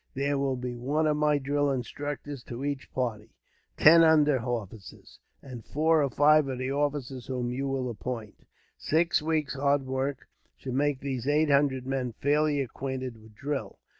There will be one of my drill instructors to each party, ten under officers, and four or five of the officers whom you will appoint. Six weeks' hard work should make these eight hundred men fairly acquainted with drill.